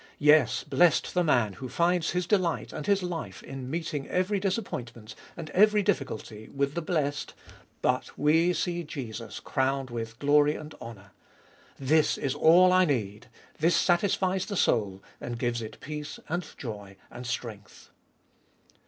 Yes, blessed the man who finds his delight and his life in meeting every disappointment and every difficulty with the blessed : But — we see Jesus crowned with glory and honour. This is all I need ! this satisfies the soul, and gives it peace and joy and strength.